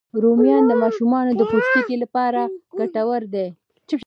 رومیان د ماشومانو د پوستکي لپاره ګټور دي